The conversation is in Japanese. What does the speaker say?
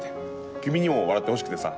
君にも笑ってほしくてさ。